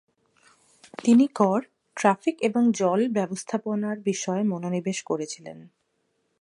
তিনি কর, ট্রাফিক এবং জল ব্যবস্থাপনার বিষয়ে মনোনিবেশ করেছিলেন।